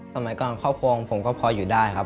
สมัยก่อนครอบครัวของผมก็พออยู่ได้ครับ